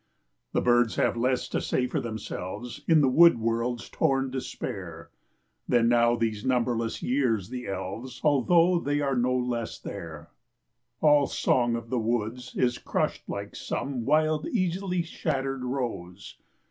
The birds have less to say for themselves, In the wood world's torn despair, Than now these numberless years the elves, Although they are no less there; All song of the woods is hushed like some Wild, easily shattered rose.